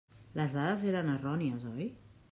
Les dades eren errònies, oi?